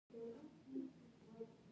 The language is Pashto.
چې خداى مسلمان پيدا کړى يم.